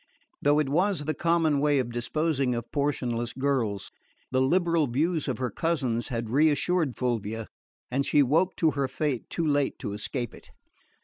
Though it was the common way of disposing of portionless girls, the liberal views of her cousins had reassured Fulvia, and she woke to her fate too late to escape it.